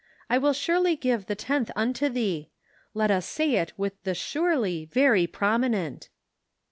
' I will surely give the tenth unto thee.' Let us say it with the 'surety,' very prominent."